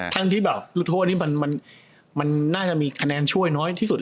ทั้งที่แบบลูกโทษนี้มันน่าจะมีคะแนนช่วยน้อยที่สุด